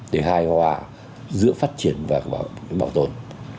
để hài họa giữa phát triển và bảo tồn